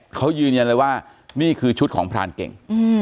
เขายืนยันเลยว่านี่คือชุดของพรานเก่ง